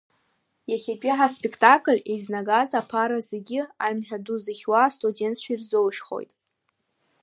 Иахьатәи ҳаспектакль еизнагаз аԥара зегьы аимҳәаду зыхьуа астудентцәа ирзоужьхоит!